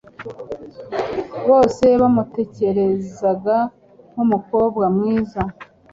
Bose bamutekerezaga nkumukobwa mwiza.